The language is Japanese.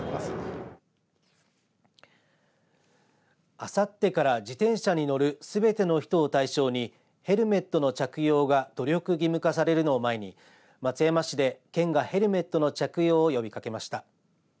あさってから自転車に乗るすべての人を対象にヘルメットの着用が努力義務化されるのを前に松山市で県がヘルメットの着用を呼びかけました。